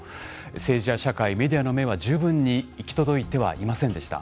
政治や社会、メディアの目は十分には行き届いてはいませんでした。